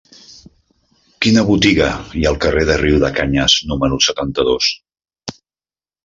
Quina botiga hi ha al carrer de Riudecanyes número setanta-dos?